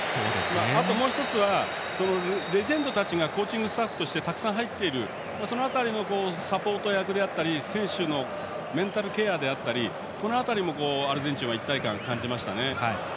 あと、もう１つはレジェンドたちがコーチングスタッフとしてたくさん入っているその辺りのサポート役だったり選手のメンタルケアだったりその辺りもアルゼンチンは一体感を感じましたね。